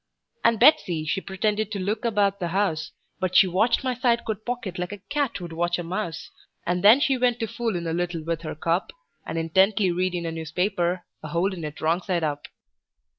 And Betsey, she pretended to look about the house, But she watched my side coat pocket like a cat would watch a mouse: And then she went to foolin' a little with her cup, And intently readin' a newspaper, a holdin' it wrong side up.